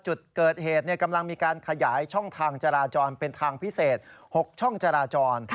จุดเกิดเหตุกำลังมีการขยายช่องทางจราจรเป็นทางพิเศษ๖ช่องจราจร